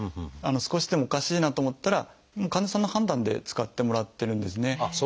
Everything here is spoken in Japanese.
少しでもおかしいなと思ったら患者さんの判断で使ってもらってるんですね。